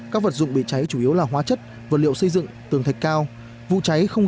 các vật dụng bị cháy chủ yếu là hóa chất vật liệu xây dựng tường thạch cao vụ cháy không